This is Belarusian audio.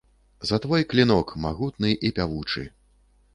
За твой клінок, магутны і пявучы!